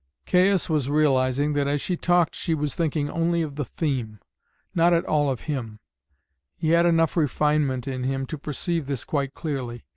Caius was realizing that as she talked she was thinking only of the theme, not at all of him; he had enough refinement in him to perceive this quite clearly.